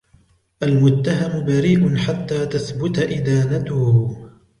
المتهم بريء حتى تثبت إدانته.